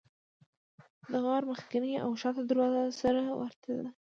د غار مخکینۍ او شاته دروازه سره ورته دي.